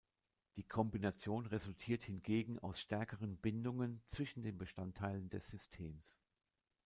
Die Kombination resultiert hingegen aus stärkeren Bindungen zwischen den Bestandteilen des Systems.